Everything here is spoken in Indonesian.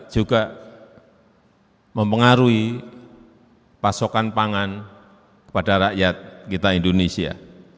juga mempengaruhi pasokan pangan kepada rakyat kita indonesia